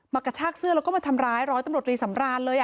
กระชากเสื้อแล้วก็มาทำร้ายร้อยตำรวจรีสำราญเลย